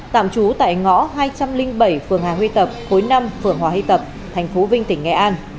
tạm trú tại ngõ hai trăm linh bảy phường hà huy tập khối năm phường hòa huy tập thành phố vinh tỉnh nghệ an